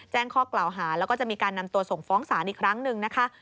แจ้งข้อกล่าวหาแล้วก็จะมีการนำตัวส่งฟ้องศาลอีกครั้งหนึ่งนะคะ